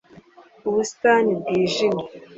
ubusitani bwijimye.